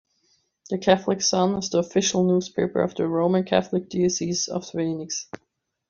"The Catholic Sun" is the official newspaper of the Roman Catholic Diocese of Phoenix.